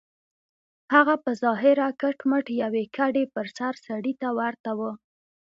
هغه په ظاهره کټ مټ يوې کډې پر سر سړي ته ورته و.